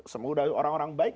semua orang orang baik